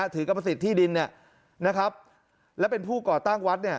ถือกรรมสิทธิ์ที่ดินนะครับและเป็นผู้ก่อกอดตั้งวัด